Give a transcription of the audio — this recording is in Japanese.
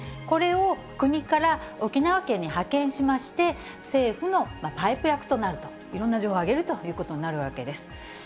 これを国から沖縄県に派遣しまして、政府のパイプ役となると、いろんな情報を上げるということになるわけです。